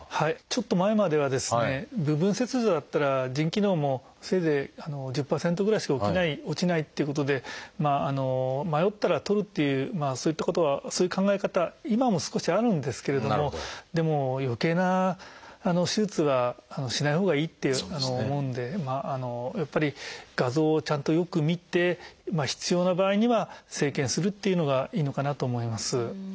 ちょっと前まではですね部分切除だったら腎機能もせいぜい１０％ぐらいしか落ちないっていうことで迷ったらとるっていうそういったことはそういう考え方今も少しあるんですけれどもでもよけいな手術はしないほうがいいって思うんでやっぱり画像をちゃんとよくみて必要な場合には生検するっていうのがいいのかなと思います。